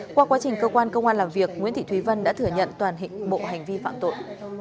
qua quá trình cơ quan công an làm việc nguyễn thị thúy vân đã thừa nhận toàn bộ hành vi phạm tội